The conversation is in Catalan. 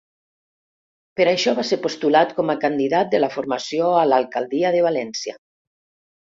Per això, va ser postulat com a candidat de la formació a l'alcaldia de València.